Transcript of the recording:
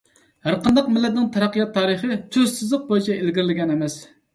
ھەرقانداق مىللەتنىڭ تەرەققىيات تارىخى تۈز سىزىق بويىچە ئىلگىرىلىگەن ئەمەس.